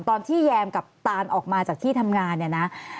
ตอนที่แยมกับตานออกมาจากที่ทำงานเนี่ยนะ